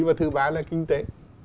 và thứ ba là kinh tế